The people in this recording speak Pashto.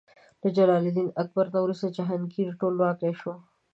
له جلال الدین اکبر نه وروسته جهانګیر ټولواک شو.